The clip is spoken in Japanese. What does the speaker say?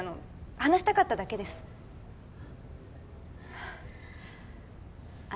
話したかっただけですあっ